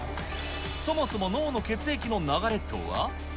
そもそも脳の血液の流れとは。